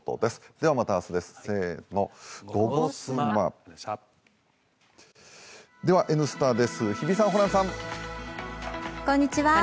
ぷはーっでは「Ｎスタ」です日比さん、ホランさん。